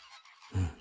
うん。